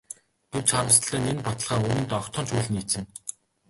Гэвч харамсалтай нь энэ баталгаа үнэнд огтхон ч үл нийцнэ.